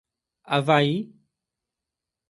Avaí